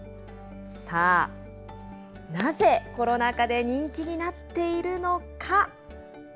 さあ、なぜコロナ禍で人気になっているのか。